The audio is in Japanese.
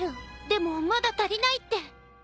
でもまだ足りないって。